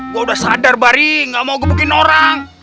gue udah sadar bari gak mau gebukin orang